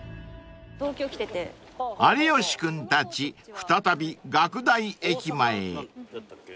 ［有吉君たち再び学大駅前へ］